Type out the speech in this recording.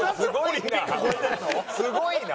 すごいな！